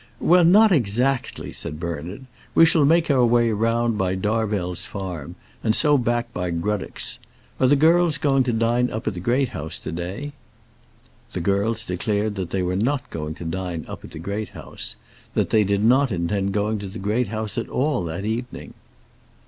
"Well, not exactly!" said Bernard. "We shall make our way round by Darvell's farm, and so back by Gruddock's. Are the girls going to dine up at the Great House to day?" The girls declared that they were not going to dine up at the Great House, that they did not intend going to the Great House at all that evening.